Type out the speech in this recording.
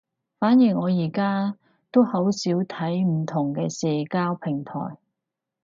所以我而家都好少睇唔同嘅社交平台